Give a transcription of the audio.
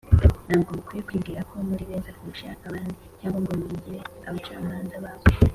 ” ntabwo mukwiye kwibwira ko muri beza kurusha abandi cyangwa ngo mwigire abacamanza babo